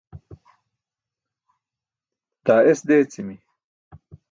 daa es deecimi